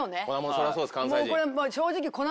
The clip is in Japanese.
そりゃそうです関西人。